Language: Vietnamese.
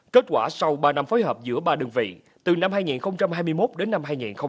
kết quả sau ba năm phối hợp giữa ba đơn vị từ năm hai nghìn hai mươi một đến năm hai nghìn hai mươi ba